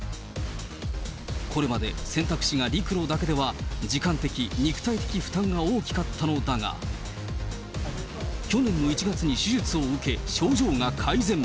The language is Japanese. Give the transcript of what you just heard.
これまで選択肢が陸路だけでは、時間的、肉体的負担が大きかったのだが、去年の１月に手術を受け、症状が改善。